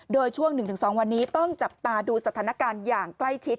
โดยช่วง๑๒วันนี้ต้องจับตาดูสถานการณ์อย่างใกล้ชิด